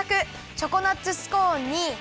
チョコナッツスコーンにきまり！